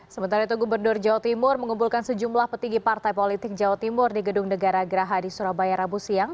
sementara itu gubernur jawa timur mengumpulkan sejumlah petinggi partai politik jawa timur di gedung negara geraha di surabaya rabu siang